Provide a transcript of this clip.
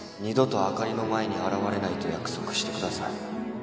二度とあかりの前に現れないと約束してください